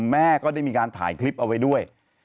แม่ก็ได้มีการถ่ายคลิปเอาไว้ด้วย